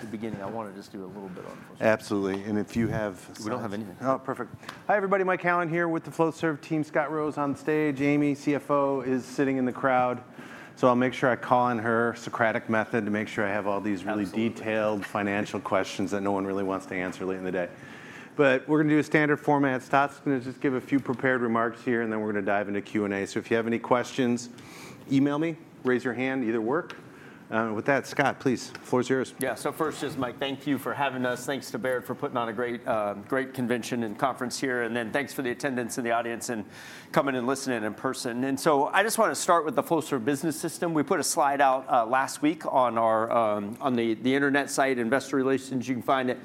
At the beginning, I want to just do a little bit on. Absolutely, and if you have. We don't have anything. Oh, perfect. Hi, everybody. Mike Halloran here with the Flowserve team. Scott Rowe's on stage. Amy, CFO, is sitting in the crowd. So I'll make sure I call in her Socratic method to make sure I have all these really detailed financial questions that no one really wants to answer late in the day. But we're going to do a standard format. Scott's going to just give a few prepared remarks here, and then we're going to dive into Q&A. So if you have any questions, email me, raise your hand, either work. With that, Scott, please, floor's yours. Yeah. So first, just Mike, thank you for having us. Thanks to Baird for putting on a great convention and conference here. And then thanks for the attendance in the audience and coming and listening in person. And so I just want to start with the Flowserve Business System. We put a slide out last week on the internet site, Investor Relations, you can find it.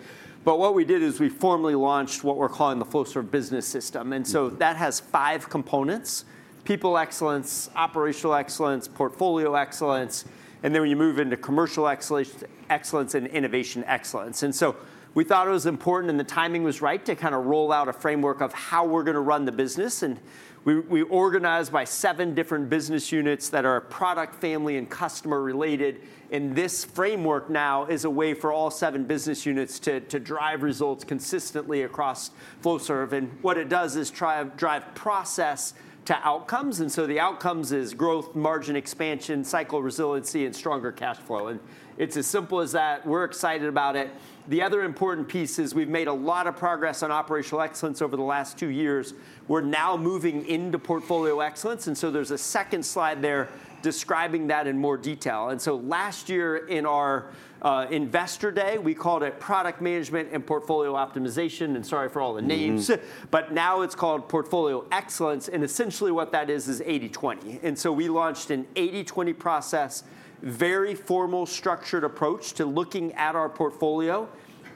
But what we did is we formally launched what we're calling the Flowserve Business System. And so that has five components: people excellence, operational excellence, portfolio excellence, and then you move into commercial excellence and innovation excellence. And so we thought it was important, and the timing was right, to kind of roll out a framework of how we're going to run the business. And we organize by seven different business units that are product family and customer related. This framework now is a way for all seven business units to drive results consistently across Flowserve. And what it does is try to drive process to outcomes. And so the outcomes are growth, margin expansion, cycle resiliency, and stronger cash flow. And it's as simple as that. We're excited about it. The other important piece is we've made a lot of progress on operational excellence over the last two years. We're now moving into portfolio excellence. And so there's a second slide there describing that in more detail. And so last year in our Investor Day, we called it product management and portfolio optimization. And sorry for all the names. But now it's called portfolio excellence. And essentially what that is, is 80/20. And so we launched an 80/20 process, very formal, structured approach to looking at our portfolio.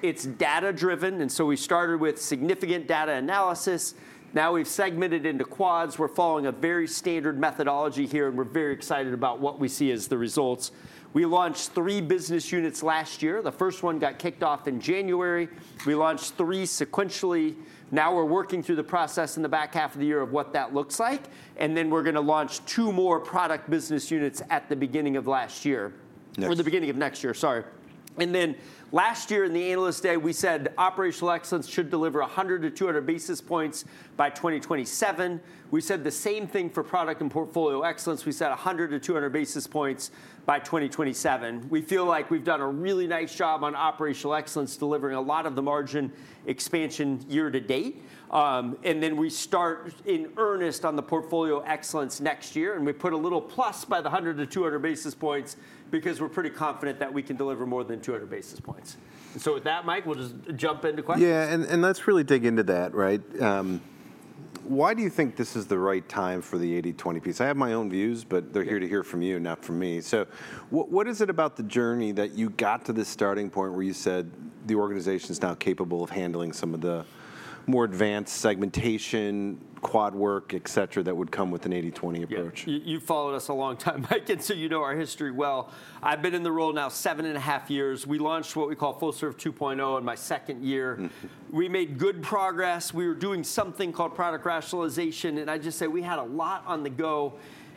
It's data driven. And so we started with significant data analysis. Now we've segmented into quads. We're following a very standard methodology here, and we're very excited about what we see as the results. We launched three business units last year. The first one got kicked off in January. We launched three sequentially. Now we're working through the process in the back half of the year of what that looks like. And then we're going to launch two more product business units at the beginning of last year. Next. Or the beginning of next year, sorry. And then last year in the Analyst Day, we said operational excellence should deliver 100-200 basis points by 2027. We said the same thing for product and portfolio excellence. We said 100-200 basis points by 2027. We feel like we've done a really nice job on operational excellence, delivering a lot of the margin expansion year to date. And then we start in earnest on the portfolio excellence next year. And we put a little plus by the 100-200 basis points because we're pretty confident that we can deliver more than 200 basis points. With that, Mike, we'll just jump into questions. Yeah. And let's really dig into that, right? I have my own views, but they're here to hear from you, not from me. So what is it about the journey that you got to this starting point where you said the organization's now capable of handling some of the more advanced segmentation, quad work, et cetera, that would come with an 80/20 approach? You've followed us a long time, Mike, and so you know our history well. I've been in the role now seven and a half years. We launched what we call Flowserve 2.0 in my second year. We made good progress. We were doing something called product rationalization, and I just say we had a lot on the go,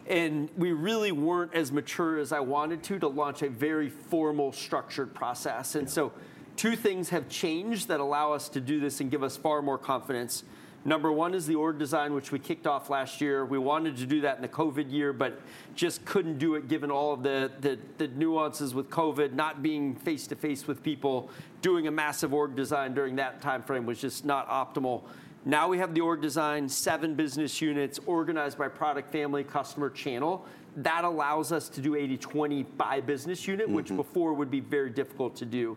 and we really weren't as mature as I wanted to launch a very formal, structured process, and so two things have changed that allow us to do this and give us far more confidence. Number one is the org design, which we kicked off last year. We wanted to do that in the COVID year, but just couldn't do it given all of the nuances with COVID, not being face to face with people, doing a massive org design during that time frame was just not optimal. Now we have the org design, seven business units, organized by product family, customer channel. That allows us to do 80/20 by business unit, which before would be very difficult to do.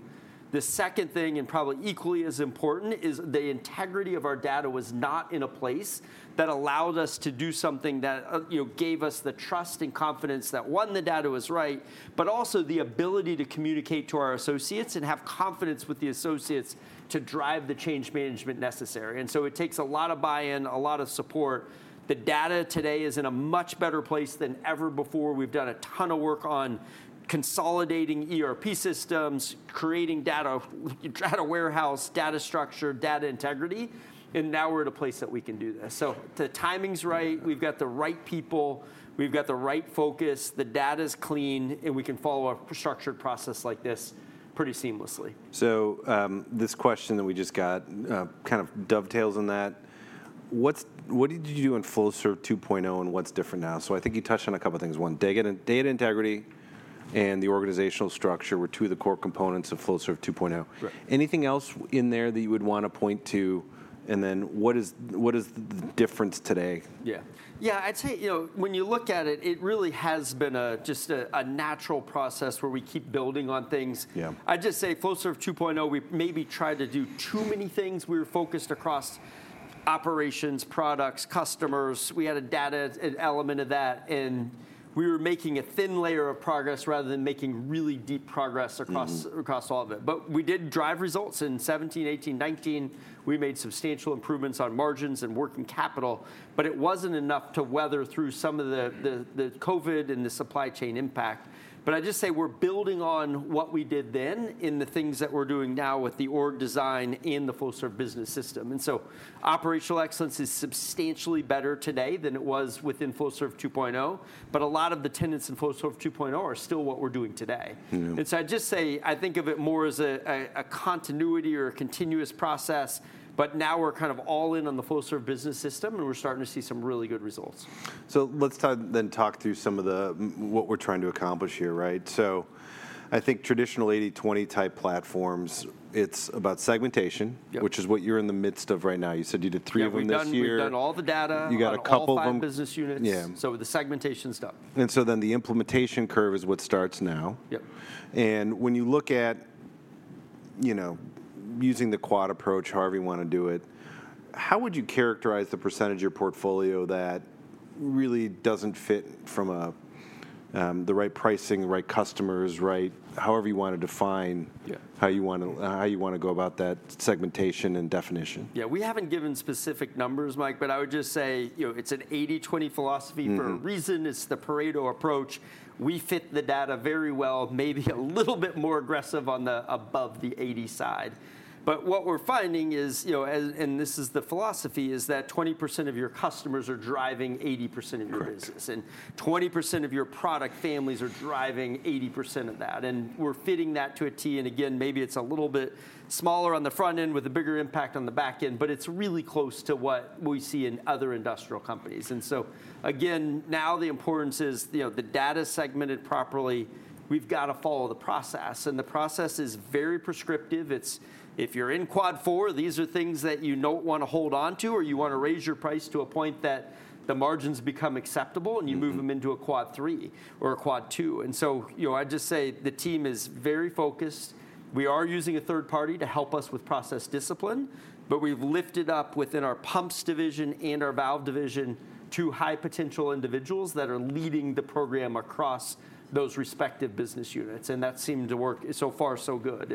The second thing, and probably equally as important, is the integrity of our data was not in a place that allowed us to do something that gave us the trust and confidence that, one, the data was right, but also the ability to communicate to our associates and have confidence with the associates to drive the change management necessary. And so it takes a lot of buy-in, a lot of support. The data today is in a much better place than ever before. We've done a ton of work on consolidating ERP systems, creating data warehouse, data structure, data integrity. And now we're at a place that we can do this. So the timing's right. We've got the right people. We've got the right focus. The data's clean, and we can follow a structured process like this pretty seamlessly. So this question that we just got kind of dovetails on that. What did you do in Flowserve 2.0 and what's different now? So I think you touched on a couple of things. One, data integrity and the organizational structure were two of the core components of Flowserve 2.0. Anything else in there that you would want to point to? And then what is the difference today? Yeah. Yeah, I'd say when you look at it, it really has been just a natural process where we keep building on things. I'd just say Flowserve 2.0, we maybe tried to do too many things. We were focused across operations, products, customers. We had a data element of that. And we were making a thin layer of progress rather than making really deep progress across all of it. But we did drive results in 2017, 2018, 2019. We made substantial improvements on margins and working capital. But it wasn't enough to weather through some of the COVID and the supply chain impact. But I'd just say we're building on what we did then in the things that we're doing now with the org design and the Flowserve Business System. And so operational excellence is substantially better today than it was within Flowserve 2.0. A lot of the tenets in Flowserve 2.0 are still what we're doing today. I'd just say I think of it more as a continuity or a continuous process. Now we're kind of all in on the Flowserve Business System. We're starting to see some really good results. So let's then talk through some of what we're trying to accomplish here, right? So I think traditional 80/20 type platforms, it's about segmentation, which is what you're in the midst of right now. You said you did three of them this year. We've done all the data. You got a couple of them. All the product business units. Yeah. So the segmentation stuff. And so then the implementation curve is what starts now. Yep. When you look at using the Quad approach, however you want to do it, how would you characterize the percentage of your portfolio that really doesn't fit from the right pricing, right customers, right however you want to define how you want to go about that segmentation and definition? Yeah. We haven't given specific numbers, Mike, but I would just say it's an 80/20 philosophy for a reason. It's the Pareto approach. We fit the data very well, maybe a little bit more aggressive on the above the 80 side. But what we're finding is, and this is the philosophy, is that 20% of your customers are driving 80% of your business. And 20% of your product families are driving 80% of that. And we're fitting that to a T. And again, maybe it's a little bit smaller on the front end with a bigger impact on the back end, but it's really close to what we see in other industrial companies. And so again, now the importance is the data segmented properly. We've got to follow the process. And the process is very prescriptive. If you're in Quad 4, these are things that you don't want to hold on to, or you want to raise your price to a point that the margins become acceptable, and you move them into a Quad 3 or a Quad 2, and so I'd just say the team is very focused. We are using a third party to help us with process discipline, but we've lifted up within our pumps division and our valve division two high potential individuals that are leading the program across those respective business units, and that's seemed to work so far so good,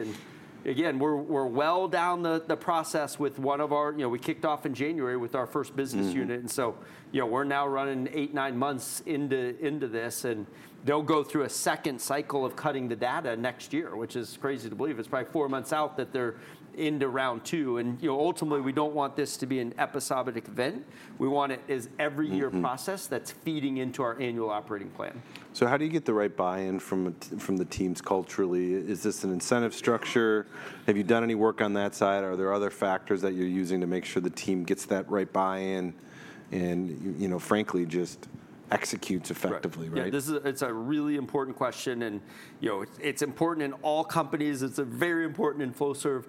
and again, we're well down the process with one of our we kicked off in January with our first business unit, and so we're now running eight, nine months into this, and they'll go through a second cycle of cutting the data next year, which is crazy to believe. It's probably four months out that they're into round two, and ultimately, we don't want this to be an episodic event. We want it as every year process that's feeding into our annual operating plan. So how do you get the right buy-in from the teams culturally? Is this an incentive structure? Have you done any work on that side? Are there other factors that you're using to make sure the team gets that right buy-in and, frankly, just executes effectively, right? Yeah. It's a really important question. And it's important in all companies. It's very important in Flowserve.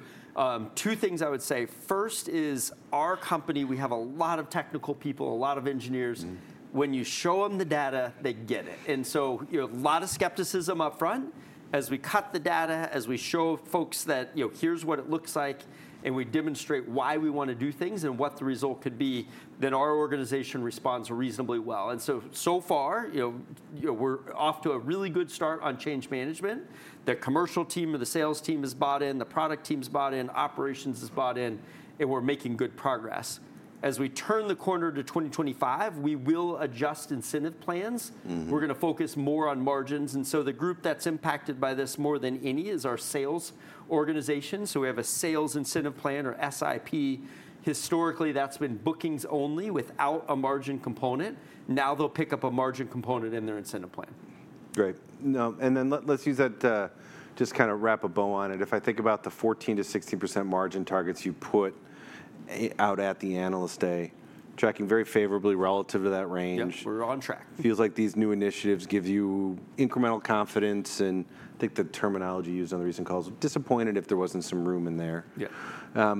Two things I would say. First is our company, we have a lot of technical people, a lot of engineers. When you show them the data, they get it. And so a lot of skepticism upfront. As we cut the data, as we show folks that here's what it looks like, and we demonstrate why we want to do things and what the result could be, then our organization responds reasonably well. And so far, we're off to a really good start on change management. The commercial team and the sales team is bought in. The product team's bought in. Operations is bought in. And we're making good progress. As we turn the corner to 2025, we will adjust incentive plans. We're going to focus more on margins. And so the group that's impacted by this more than any is our sales organization. So we have a sales incentive plan or SIP. Historically, that's been bookings only without a margin component. Now they'll pick up a margin component in their incentive plan. Great. And then let's use that to just kind of wrap a bow on it. If I think about the 14%-16% margin targets you put out at the Analyst Day, tracking very favorably relative to that range. Yep. We're on track. Feels like these new initiatives give you incremental confidence, and I think the terminology used on the recent calls, "disappointed if there wasn't some room in there. Yeah.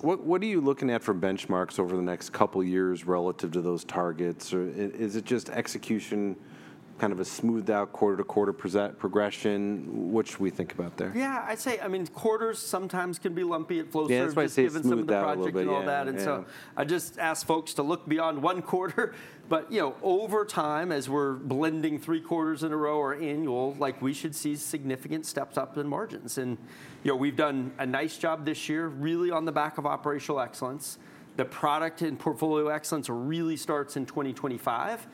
What are you looking at for benchmarks over the next couple of years relative to those targets? Or is it just execution, kind of a smoothed out quarter to quarter progression? What should we think about there? Yeah. I'd say, I mean, quarters sometimes can be lumpy at Flowserve just given some of the project and all that. And so I just ask folks to look beyond one quarter. But over time, as we're blending three quarters in a row or annual, we should see significant steps up in margins. And we've done a nice job this year, really on the back of operational excellence. The product and portfolio excellence really starts in 2025.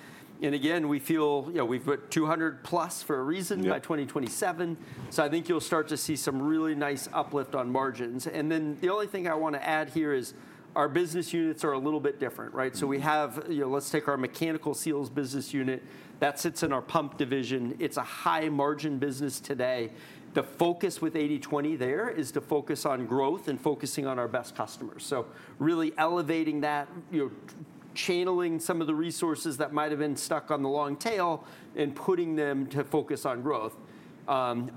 And again, we feel we've put 200 plus for a reason by 2027. So I think you'll start to see some really nice uplift on margins. And then the only thing I want to add here is our business units are a little bit different, right? So we have, let's take our mechanical seals business unit that sits in our pump division. It's a high margin business today. The focus with 80/20 there is to focus on growth and focusing on our best customers. So really elevating that, channeling some of the resources that might have been stuck on the long tail and putting them to focus on growth.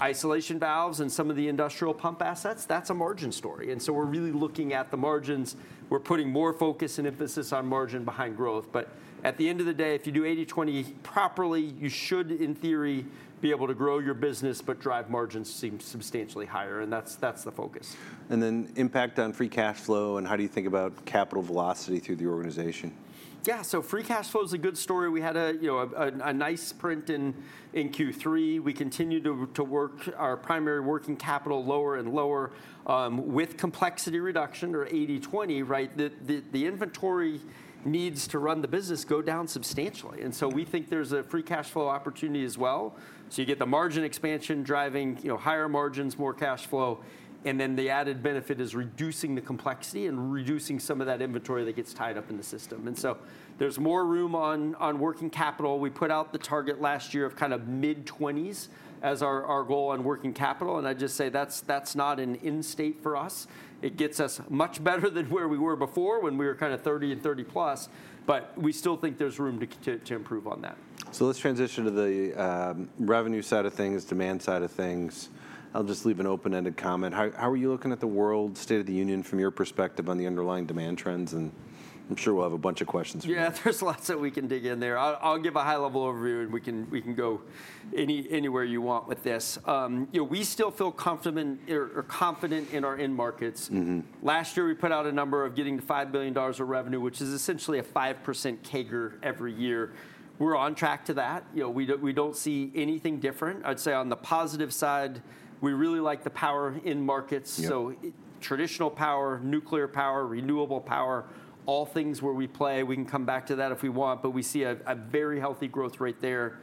Isolation valves and some of the industrial pump assets, that's a margin story. And so we're really looking at the margins. We're putting more focus and emphasis on margin behind growth. But at the end of the day, if you do 80/20 properly, you should, in theory, be able to grow your business, but drive margins substantially higher. And that's the focus. And then impact on free cash flow and how do you think about capital velocity through the organization? Yeah. So free cash flow is a good story. We had a nice print in Q3. We continue to work our primary working capital lower and lower with complexity reduction or 80/20, right? The inventory needs to run the business go down substantially. And so we think there's a free cash flow opportunity as well. So you get the margin expansion driving higher margins, more cash flow. And then the added benefit is reducing the complexity and reducing some of that inventory that gets tied up in the system. And so there's more room on working capital. We put out the target last year of kind of mid-20s as our goal on working capital. And I'd just say that's not an end state for us. It gets us much better than where we were before when we were kind of 30 and 30 plus. But we still think there's room to improve on that. So let's transition to the revenue side of things, demand side of things. I'll just leave an open-ended comment. How are you looking at the world, state of the union from your perspective on the underlying demand trends? And I'm sure we'll have a bunch of questions for you. Yeah. There's lots that we can dig in there. I'll give a high-level overview, and we can go anywhere you want with this. We still feel confident in our end markets. Last year, we put out a number of getting to $5 billion of revenue, which is essentially a 5% CAGR every year. We're on track to that. We don't see anything different. I'd say on the positive side, we really like the power end markets. So traditional power, nuclear power, renewable power, all things where we play. We can come back to that if we want, but we see a very healthy growth rate there.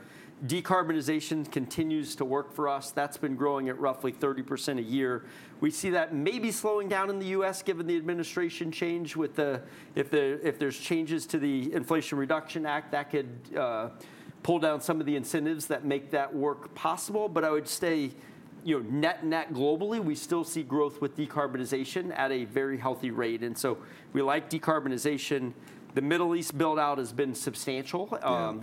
Decarbonization continues to work for us. That's been growing at roughly 30% a year. We see that maybe slowing down in the U.S. given the administration change with, if there's changes to the Inflation Reduction Act, that could pull down some of the incentives that make that work possible, but I would say net-net globally, we still see growth with decarbonization at a very healthy rate, and so we like decarbonization. The Middle East build-out has been substantial.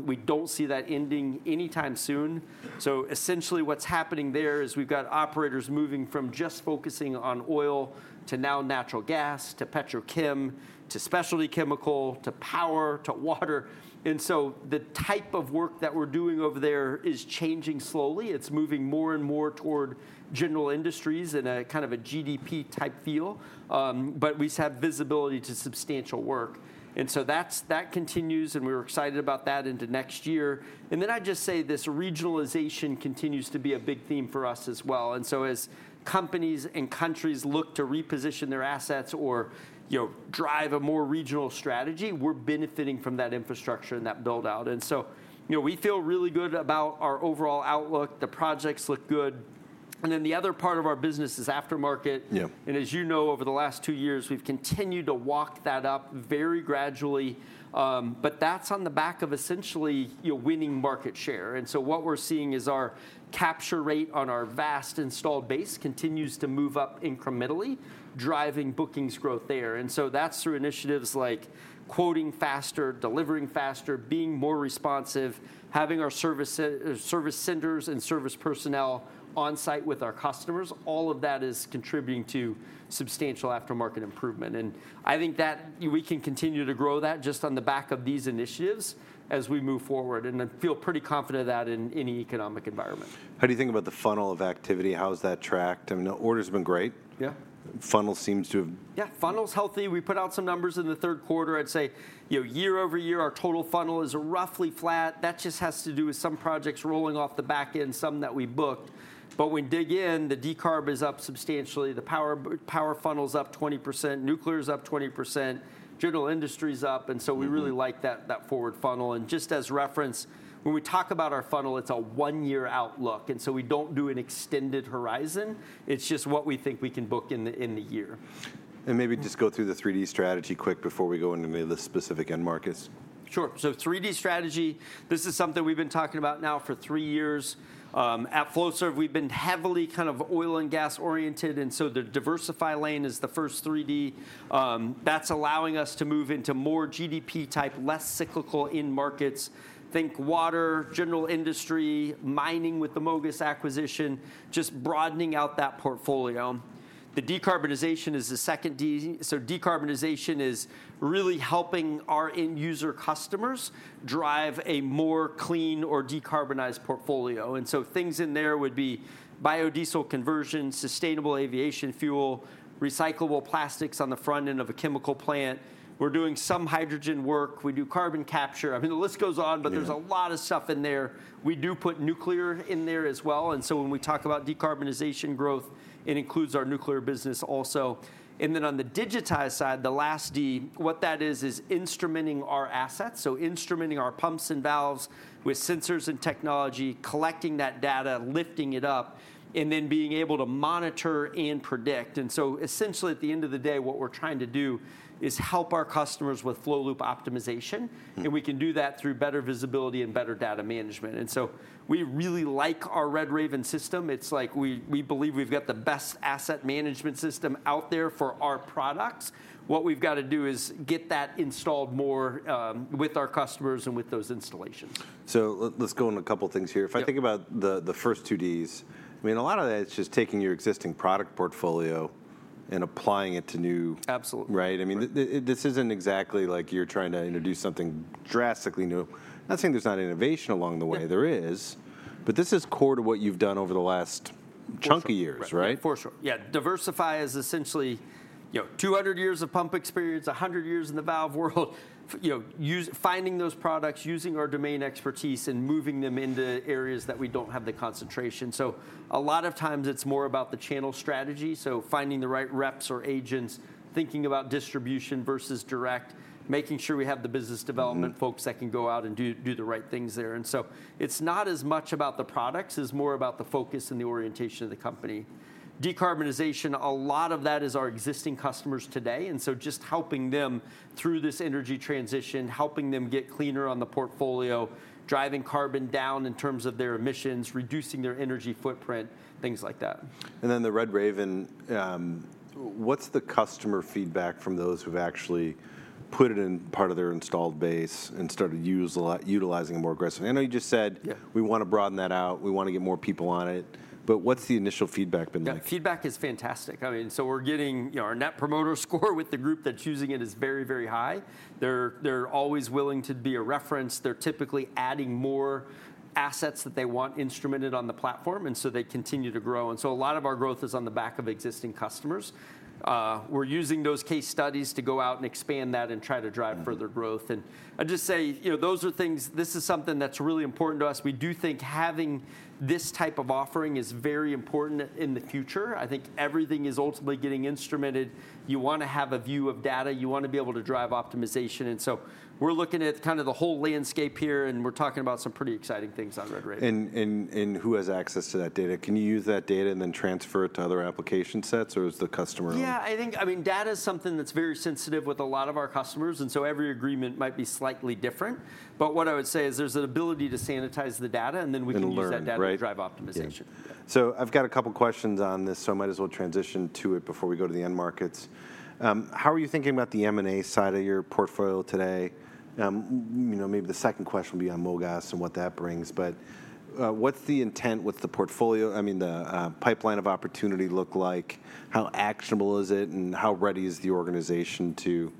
We don't see that ending anytime soon, so essentially what's happening there is we've got operators moving from just focusing on oil to now natural gas to petrochem to specialty chemical to power to water, and so the type of work that we're doing over there is changing slowly. It's moving more and more toward general industries in a kind of a GDP-type feel, but we have visibility to substantial work, and so that continues. We're excited about that into next year. And then I'd just say this regionalization continues to be a big theme for us as well. And so as companies and countries look to reposition their assets or drive a more regional strategy, we're benefiting from that infrastructure and that build-out. And so we feel really good about our overall outlook. The projects look good. And then the other part of our business is aftermarket. And as you know, over the last two years, we've continued to walk that up very gradually. But that's on the back of essentially winning market share. And so what we're seeing is our capture rate on our vast installed base continues to move up incrementally, driving bookings growth there. And so that's through initiatives like quoting faster, delivering faster, being more responsive, having our service centers and service personnel on site with our customers. All of that is contributing to substantial aftermarket improvement. And I think that we can continue to grow that just on the back of these initiatives as we move forward. And I feel pretty confident of that in any economic environment. How do you think about the funnel of activity? How is that tracked? I mean, order has been great. Yeah. Funnel seems to have. Yeah. Funnel's healthy. We put out some numbers in the third quarter. I'd say year over year, our total funnel is roughly flat. That just has to do with some projects rolling off the back end, some that we booked. But when we dig in, the decarb is up substantially. The power funnel's up 20%. Nuclear's up 20%. General industry's up. And so we really like that forward funnel. And just as reference, when we talk about our funnel, it's a one-year outlook. And so we don't do an extended horizon. It's just what we think we can book in the year. Maybe just go through the 3D Strategy quick before we go into the specific end markets. Sure. So 3D Strategy, this is something we've been talking about now for three years. At Flowserve, we've been heavily kind of oil and gas oriented. And so the diversify lane is the first 3D that's allowing us to move into more GDP-type, less cyclical end markets. Think water, general industry, mining with the MOGAS acquisition, just broadening out that portfolio. The decarbonization is the second D. So decarbonization is really helping our end user customers drive a more clean or decarbonized portfolio. And so things in there would be biodiesel conversion, sustainable aviation fuel, recyclable plastics on the front end of a chemical plant. We're doing some hydrogen work. We do carbon capture. I mean, the list goes on, but there's a lot of stuff in there. We do put nuclear in there as well. And so when we talk about decarbonization growth, it includes our nuclear business also. And then on the digitized side, the last D, what that is, is instrumenting our assets. So instrumenting our pumps and valves with sensors and technology, collecting that data, lifting it up, and then being able to monitor and predict. And so essentially at the end of the day, what we're trying to do is help our customers with flow loop optimization. And we can do that through better visibility and better data management. And so we really like our Red Raven system. It's like we believe we've got the best asset management system out there for our products. What we've got to do is get that installed more with our customers and with those installations. So let's go on a couple of things here. If I think about the first two Ds, I mean, a lot of that is just taking your existing product portfolio and applying it to new. Absolutely. Right? I mean, this isn't exactly like you're trying to introduce something drastically new. I'm not saying there's not innovation along the way. There is. But this is core to what you've done over the last chunk of years, right? For sure. Yeah. Diversify is essentially 200 years of pump experience, 100 years in the valve world, finding those products, using our domain expertise, and moving them into areas that we don't have the concentration. So a lot of times, it's more about the channel strategy. So finding the right reps or agents, thinking about distribution versus direct, making sure we have the business development folks that can go out and do the right things there. And so it's not as much about the products. It's more about the focus and the orientation of the company. Decarbonization, a lot of that is our existing customers today. And so just helping them through this energy transition, helping them get cleaner on the portfolio, driving carbon down in terms of their emissions, reducing their energy footprint, things like that. Then the Red Raven, what's the customer feedback from those who've actually put it in part of their installed base and started utilizing it more aggressively? I know you just said, "We want to broaden that out. We want to get more people on it." But what's the initial feedback been like? Yeah. Feedback is fantastic. I mean, so we're getting our Net Promoter Score with the group that's using it. Is very, very high. They're always willing to be a reference. They're typically adding more assets that they want instrumented on the platform. And so they continue to grow. And so a lot of our growth is on the back of existing customers. We're using those case studies to go out and expand that and try to drive further growth. And I'd just say those are things. This is something that's really important to us. We do think having this type of offering is very important in the future. I think everything is ultimately getting instrumented. You want to have a view of data. You want to be able to drive optimization. And so we're looking at kind of the whole landscape here. We're talking about some pretty exciting things on Red Raven. Who has access to that data? Can you use that data and then transfer it to other application sets? Or is the customer? Yeah. I mean, data is something that's very sensitive with a lot of our customers, and so every agreement might be slightly different, but what I would say is there's an ability to sanitize the data, and then we can use that data to drive optimization. So I've got a couple of questions on this. So I might as well transition to it before we go to the end markets. How are you thinking about the M&A side of your portfolio today? Maybe the second question will be on MOGAS and what that brings. But what's the intent? What's the portfolio? I mean, the pipeline of opportunity look like? How actionable is it? And how ready is the organization to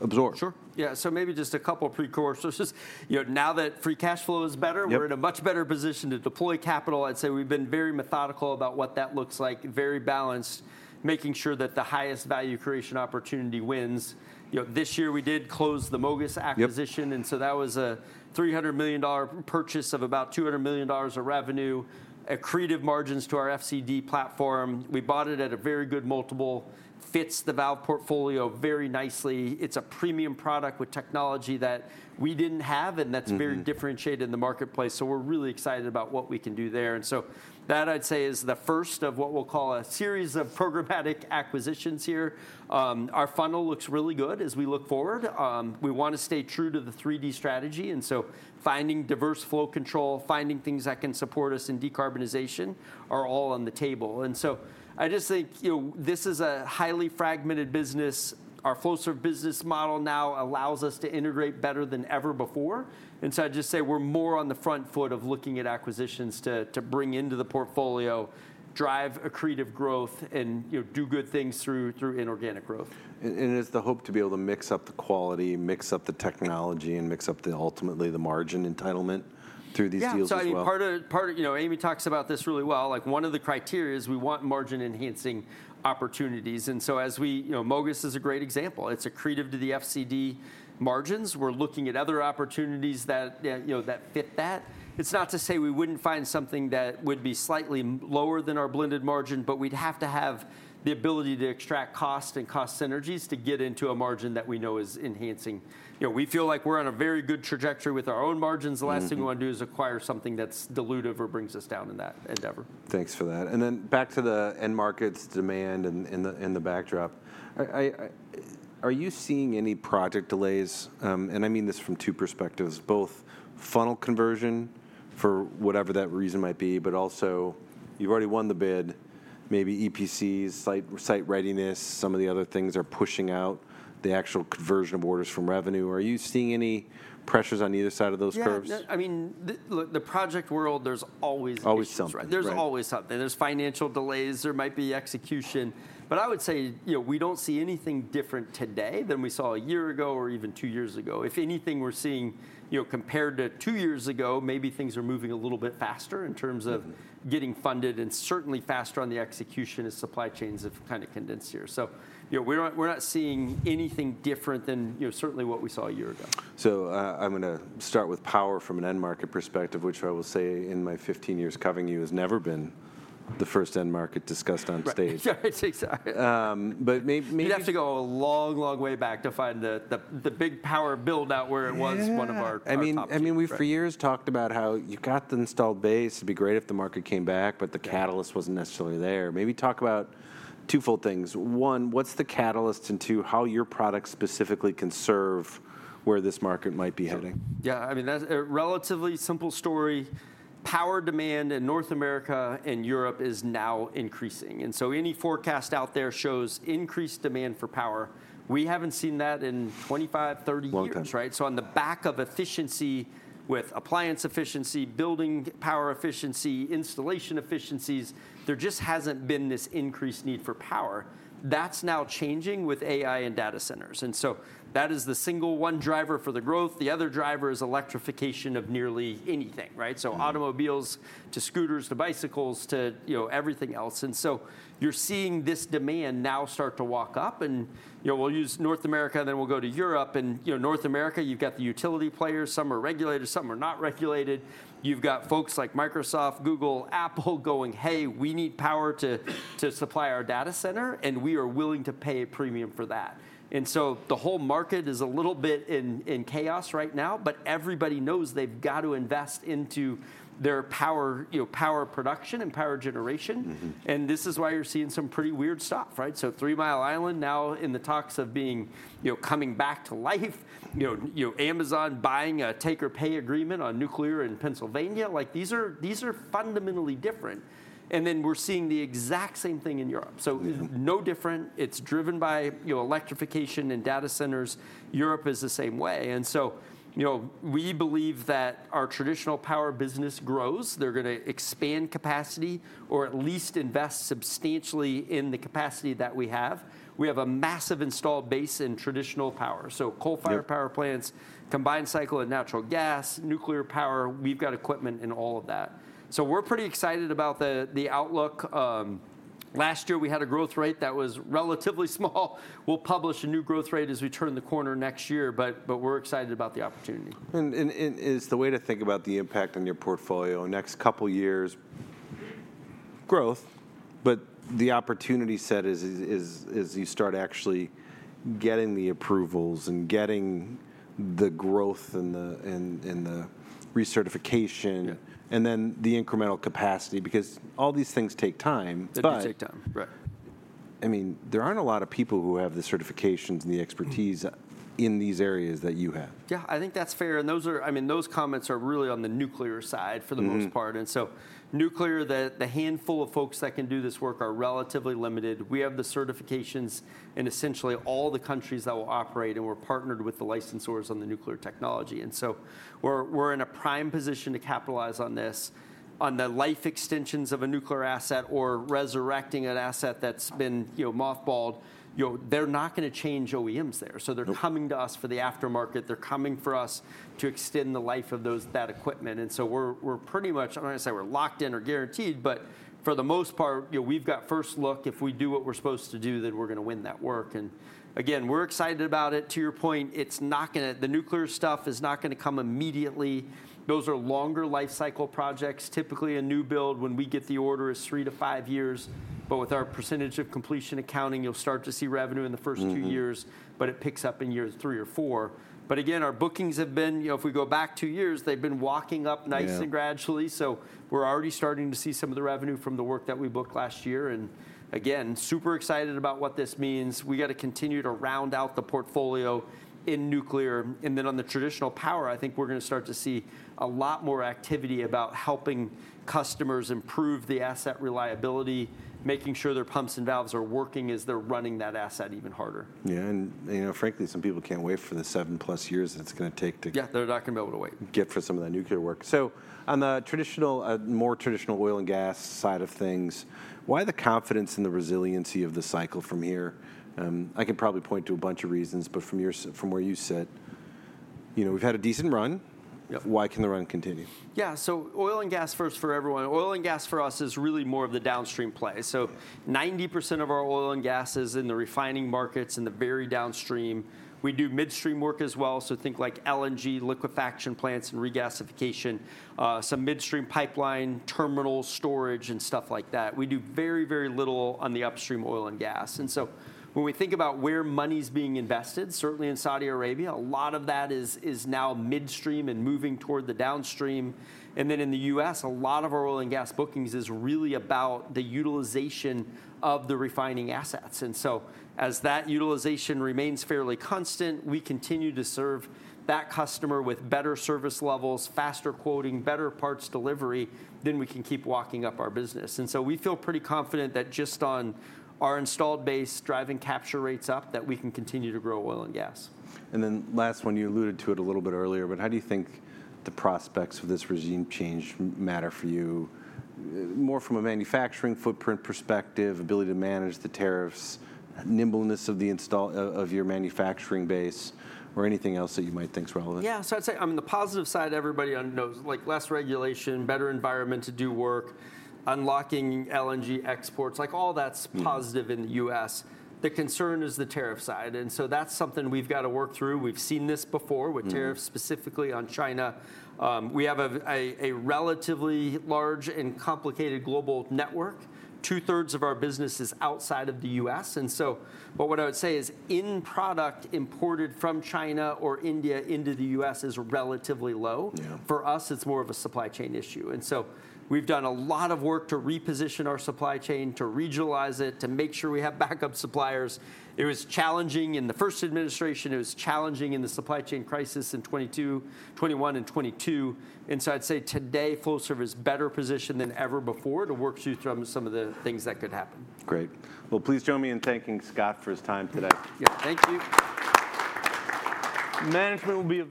absorb? Sure. Yeah. So maybe just a couple of precursors. Now that free cash flow is better, we're in a much better position to deploy capital. I'd say we've been very methodical about what that looks like, very balanced, making sure that the highest value creation opportunity wins. This year, we did close the MOGAS acquisition. And so that was a $300 million purchase of about $200 million of revenue, accretive margins to our FCD platform. We bought it at a very good multiple. Fits the valve portfolio very nicely. It's a premium product with technology that we didn't have. And that's very differentiated in the marketplace. So we're really excited about what we can do there. And so that, I'd say, is the first of what we'll call a series of programmatic acquisitions here. Our funnel looks really good as we look forward. We want to stay true to the 3D Strategy. And so finding diverse flow control, finding things that can support us in decarbonization are all on the table. And so I just think this is a highly fragmented business. Our Flowserve business model now allows us to integrate better than ever before. And so I'd just say we're more on the front foot of looking at acquisitions to bring into the portfolio, drive accretive growth, and do good things through inorganic growth. And it's the hope to be able to mix up the quality, mix up the technology, and mix up ultimately the margin entitlement through these deals as well. Yeah. So part of Amy talks about this really well. One of the criteria is we want margin-enhancing opportunities. And so, MOGAS is a great example. It's accretive to the FCD margins. We're looking at other opportunities that fit that. It's not to say we wouldn't find something that would be slightly lower than our blended margin. But we'd have to have the ability to extract cost and cost synergies to get into a margin that we know is enhancing. We feel like we're on a very good trajectory with our own margins. The last thing we want to do is acquire something that's dilutive or brings us down in that endeavor. Thanks for that. And then back to the end markets, demand, and the backdrop. Are you seeing any project delays? And I mean this from two perspectives, both funnel conversion for whatever that reason might be, but also you've already won the bid, maybe EPCs, site readiness, some of the other things are pushing out the actual conversion of orders from revenue. Are you seeing any pressures on either side of those curves? Yeah. I mean, look, the project world, there's always issues. Always something. There's always something. There's financial delays. There might be execution. But I would say we don't see anything different today than we saw a year ago or even two years ago. If anything, we're seeing compared to two years ago, maybe things are moving a little bit faster in terms of getting funded and certainly faster on the execution as supply chains have kind of condensed here. So we're not seeing anything different than certainly what we saw a year ago. So I'm going to start with power from an end market perspective, which I will say in my 15 years covering you has never been the first end market discussed on stage. Right. Right. Exactly. But maybe. You'd have to go a long, long way back to find the big power build-out where it was one of our top. I mean, we've for years talked about how you got the installed base. It'd be great if the market came back, but the catalyst wasn't necessarily there. Maybe talk about twofold things. One, what's the catalyst? And two, how your product specifically can serve where this market might be heading? Yeah. I mean, that's a relatively simple story. Power demand in North America and Europe is now increasing. And so any forecast out there shows increased demand for power. We haven't seen that in 25, 30 years, right? So on the back of efficiency with appliance efficiency, building power efficiency, installation efficiencies, there just hasn't been this increased need for power. That's now changing with AI and data centers. And so that is the single one driver for the growth. The other driver is electrification of nearly anything, right? So automobiles to scooters to bicycles to everything else. And so you're seeing this demand now start to walk up. And we'll use North America, and then we'll go to Europe. And North America, you've got the utility players. Some are regulated. Some are not regulated. You've got folks like Microsoft, Google, Apple going, "Hey, we need power to supply our data center. And we are willing to pay a premium for that," and so the whole market is a little bit in chaos right now, but everybody knows they've got to invest into their power production and power generation, and this is why you're seeing some pretty weird stuff, right, so Three Mile Island now in the talks of coming back to life. Amazon buying a take-or-pay agreement on nuclear in Pennsylvania. These are fundamentally different, and then we're seeing the exact same thing in Europe, so no different. It's driven by electrification and data centers. Europe is the same way, and so we believe that our traditional power business grows. They're going to expand capacity or at least invest substantially in the capacity that we have. We have a massive installed base in traditional power. So coal-fired power plants, combined cycle and natural gas, nuclear power. We've got equipment in all of that. So we're pretty excited about the outlook. Last year, we had a growth rate that was relatively small. We'll publish a new growth rate as we turn the corner next year. But we're excited about the opportunity. And is the way to think about the impact on your portfolio in the next couple of years growth. But the opportunity set is as you start actually getting the approvals and getting the growth and the recertification and then the incremental capacity because all these things take time. They do take time. Right. I mean, there aren't a lot of people who have the certifications and the expertise in these areas that you have. Yeah. I think that's fair. And I mean, those comments are really on the nuclear side for the most part. And so nuclear, the handful of folks that can do this work are relatively limited. We have the certifications in essentially all the countries that will operate. And we're partnered with the licensors on the nuclear technology. And so we're in a prime position to capitalize on this. On the life extensions of a nuclear asset or resurrecting an asset that's been mothballed, they're not going to change OEMs there. So they're coming to us for the aftermarket. They're coming for us to extend the life of that equipment. And so we're pretty much. I'm not going to say we're locked in or guaranteed. But for the most part, we've got first look. If we do what we're supposed to do, then we're going to win that work. Again, we're excited about it. To your point, the nuclear stuff is not going to come immediately. Those are longer life cycle projects. Typically, a new build when we get the order is three to five years. But with our percentage of completion accounting, you'll start to see revenue in the first two years. But it picks up in year three or four. But again, our bookings have been, if we go back two years, they've been walking up nice and gradually. So we're already starting to see some of the revenue from the work that we booked last year. And again, super excited about what this means. We got to continue to round out the portfolio in nuclear. Then on the traditional power, I think we're going to start to see a lot more activity about helping customers improve the asset reliability, making sure their pumps and valves are working as they're running that asset even harder. Yeah, and frankly, some people can't wait for the seven-plus years that it's going to take to. Yeah. They're not going to be able to wait. Get for some of that nuclear work. So on the more traditional oil and gas side of things, why the confidence in the resiliency of the cycle from here? I could probably point to a bunch of reasons. But from where you sit, we've had a decent run. Why can the run continue? Yeah. So oil and gas first for everyone. Oil and gas for us is really more of the downstream play. So 90% of our oil and gas is in the refining markets and the very downstream. We do midstream work as well. So think like LNG liquefaction plants and regasification, some midstream pipeline, terminal storage, and stuff like that. We do very, very little on the upstream oil and gas. And so when we think about where money's being invested, certainly in Saudi Arabia, a lot of that is now midstream and moving toward the downstream. And then in the U.S., a lot of our oil and gas bookings is really about the utilization of the refining assets. And so as that utilization remains fairly constant, we continue to serve that customer with better service levels, faster quoting, better parts delivery, then we can keep walking up our business. And so we feel pretty confident that just on our installed base driving capture rates up that we can continue to grow oil and gas. And then last one, you alluded to it a little bit earlier. But how do you think the prospects of this regime change matter for you more from a manufacturing footprint perspective, ability to manage the tariffs, nimbleness of your manufacturing base, or anything else that you might think is relevant? Yeah. So I'd say on the positive side, everybody knows less regulation, better environment to do work, unlocking LNG exports. All that's positive in the US. The concern is the tariff side, and so that's something we've got to work through. We've seen this before with tariffs specifically on China. We have a relatively large and complicated global network. Two-thirds of our business is outside of the US, and so what I would say is in product imported from China or India into the US is relatively low. For us, it's more of a supply chain issue, and so we've done a lot of work to reposition our supply chain, to regionalize it, to make sure we have backup suppliers. It was challenging in the first administration. It was challenging in the supply chain crisis in 2021, 2022, and 2022. I'd say today, Flowserve is better positioned than ever before to work through some of the things that could happen. Great. Well, please join me in thanking Scott for his time today. Yeah. Thank you. Management will be.